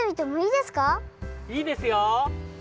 いいですよ！